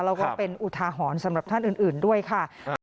เราก็เป็นอุทหาหอนสำหรับท่านอื่นด้วยค่ะ